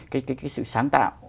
cái sự sáng tạo